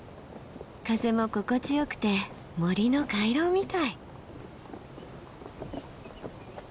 風も心地よくて森の回廊みたい。